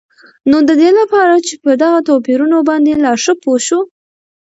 نو ددي لپاره چې په دغه توپيرونو باندي لا ښه پوه شو